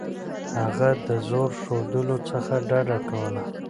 هغه د زور ښودلو څخه ډډه کوله.